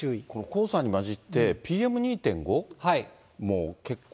黄砂にまじって、ＰＭ２．５も結構。